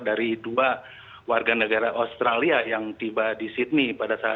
dari dua warga negara australia yang tiba di sydney pada saat itu